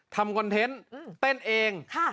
คอนเทนต์เต้นเอง